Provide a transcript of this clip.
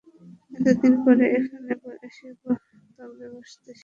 এতদিন পরে এখানে এসে তবে বসতে শিখেছি।